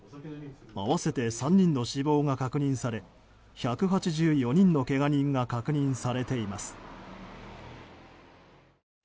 合わせて３人の死亡が確認され１８４人のけが人が確認されています。